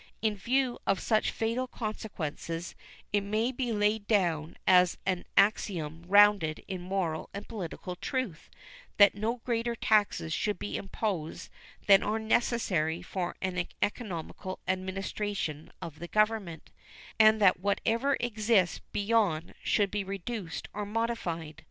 In view of such fatal consequences, it may be laid down as an axiom rounded in moral and political truth that no greater taxes should be imposed than are necessary for an economical administration of the Government, and that whatever exists beyond should be reduced or modified.